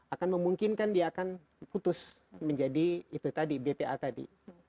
akan memungkinkan dia akan putus menjadi itu tadi bpa tadi